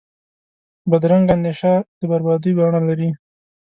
بدرنګه اندیشه د بربادۍ بڼه لري